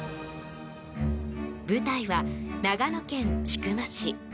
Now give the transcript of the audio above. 舞台は、長野県千曲市。